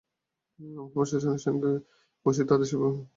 আমরা প্রশাসনের সঙ্গে বসি, তারা শিশুবিবাহ বন্ধে সহযোগিতা করার কথা বলে।